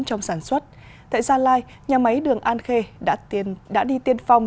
trong sản xuất tại gia lai nhà máy đường an khê đã đi tiên phong